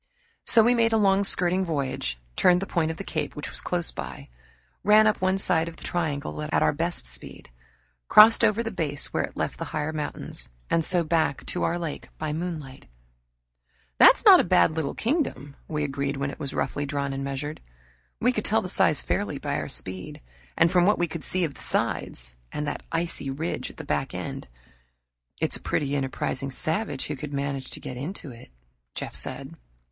So we made a long skirting voyage, turned the point of the cape which was close by, ran up one side of the triangle at our best speed, crossed over the base where it left the higher mountains, and so back to our lake by moonlight. "That's not a bad little kingdom," we agreed when it was roughly drawn and measured. We could tell the size fairly by our speed. And from what we could see of the sides and that icy ridge at the back end "It's a pretty enterprising savage who would manage to get into it," Jeff said.